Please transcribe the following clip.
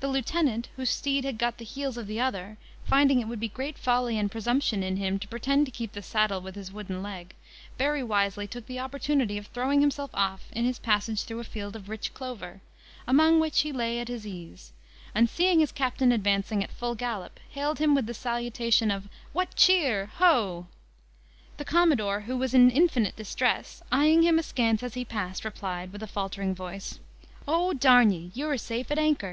The lieutenant, whose steed had got the heels of the other, finding it would be great folly and presumption in him to pretend to keep the saddle with his wooden leg, very wisely took the opportunity of throwing himself off in his passage through a field of rich clover, among which he lay at his ease; and seeing his captain advancing, at full gallop, hailed him with the salutation of "What cheer? Ho!" The commodore, who was in infinite distress, eyeing him askance as he passed, replied, with a faltering voice, "O, d ye! you are safe at an anchor.